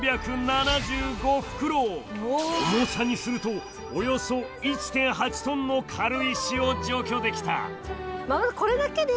重さにするとおよそ１．８トンの軽石を除去できた。